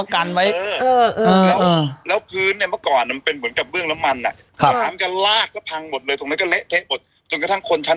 อคโอ๊ยเอาล่ะคุณนิงก็จะมาบอกเรื่องผัวมัตตูมน่ะกับท่านใช้